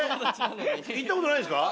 行った事ないんですか？